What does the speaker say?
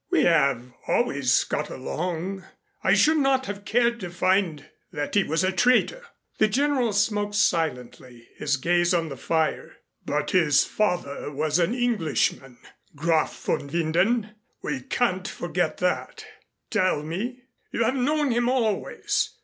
We have always got along. I should not have cared to find that he was a traitor." The General smoked silently, his gaze on the fire. "But his father was an Englishman, Graf von Winden. We can't forget that. Tell me. You have known him always.